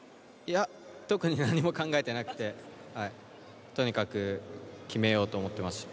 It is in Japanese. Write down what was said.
特に何も考えていなくて、とにかく決めようと思っていました。